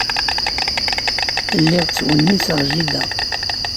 Lliɣ ttwenniseɣ jida.